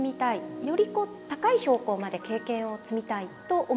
よりこう高い標高まで経験を積みたいと思ってました。